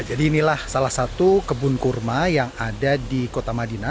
jadi inilah salah satu kebun kurma yang ada di kota madinah